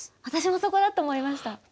私もそこだと思いました。